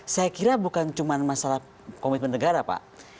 saya kira bukan cuma masalah komitmen negara pak